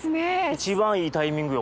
一番いいタイミングよ